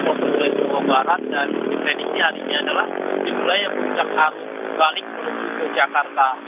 kemudian jawa barat dan diberi ini adalah jumlah yang puncak arus balik terjadi di jakarta